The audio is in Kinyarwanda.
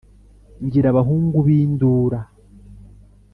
ngira abahungu b’ indura,